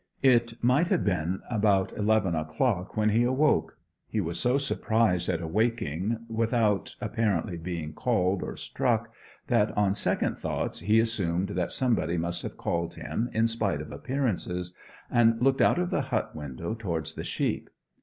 It might have been about eleven o'clock when he awoke. He was so surprised at awaking without, apparently, being called or struck, that on second thoughts he assumed that somebody must have called him in spite of appearances, and looked out of the hut window towards the sheep.